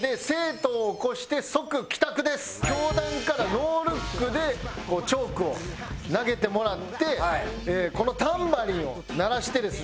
教壇からノールックでチョークを投げてもらってこのタンバリンを鳴らしてですね